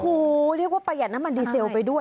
โอ้โหเรียกว่าประหยัดน้ำมันดีเซลไปด้วย